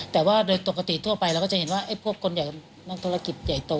แต่ว่าโดยปกติทั่วไปเราก็จะเห็นว่าพวกคนใหญ่นักธุรกิจใหญ่โต